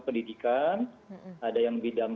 pendidikan ada yang bidang